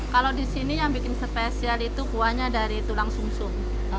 kalau di sini yang bikin spesial itu kuahnya dari tulang sum sum